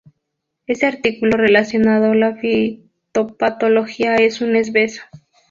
Este artículo relacionado la fitopatología es un esbozo.